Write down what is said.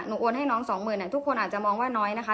โอนให้น้องสองหมื่นทุกคนอาจจะมองว่าน้อยนะคะ